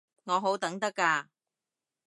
我好等得㗎